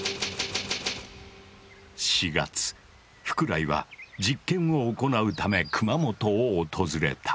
４月福来は実験を行うため熊本を訪れた。